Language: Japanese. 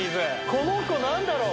この子何だろう？